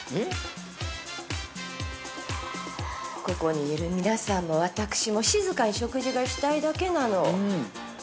ここにいる皆さんも私も静かに食事がしたいだけなの。